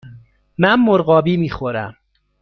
من مرغابی می خورم.